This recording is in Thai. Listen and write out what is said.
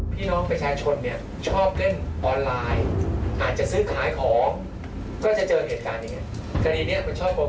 พี่น้องประชาชนชอบเงินออนไลน์อาจจะซื้อขายของ